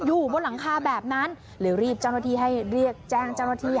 อยู่บนหลังคาแบบนั้นเลยรีบเจ้าหน้าที่ให้เรียกแจ้งเจ้าหน้าที่